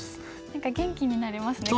何か元気になれますね。